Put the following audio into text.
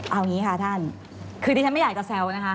เอาอย่างนี้ค่ะท่านคือที่ฉันไม่อยากจะแซวนะคะ